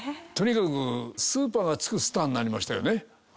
とにかく「スーパー」がつくスターになりましたよね。